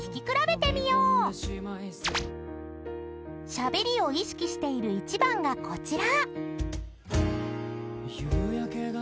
［しゃべりを意識している１番がこちら］